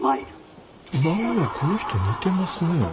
何やこの人似てますね。